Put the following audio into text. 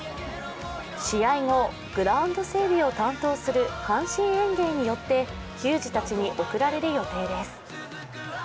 試合後、グラウンド整備を担当する阪神園芸によって球児たちに送られる予定です。